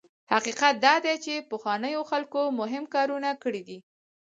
حقیقت دا دی چې پخوانیو خلکو مهم کارونه کړي دي.